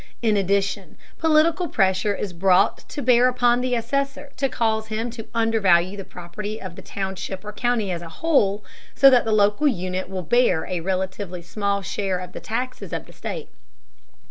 In addition, political pressure is brought to bear upon the assessor to cause him to undervalue the property of the township or county as a whole, so that the local unit will bear a relatively small share of the taxes of the state.